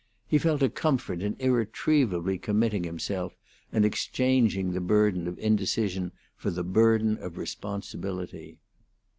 He felt a comfort in irretrievably committing himself, and exchanging the burden of indecision for the burden of responsibility.